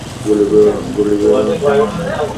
গুলি বের হওয়ার চিহ্ন নেই।